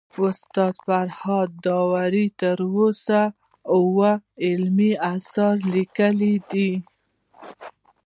استاد فرهاد داوري تر اوسه اوه علمي اثار ليکلي دي